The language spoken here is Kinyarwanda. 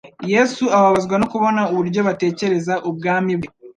Yesu ababazwa no kubona uburyo batekereza ubwami bwe,